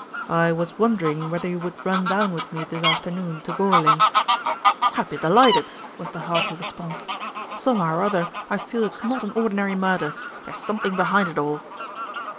"I was wondering whether you would run down with me this afternoon to Gorling." "I'd be delighted," was the hearty response. "Somehow or other I feel it's not an ordinary murder. There's something behind it all."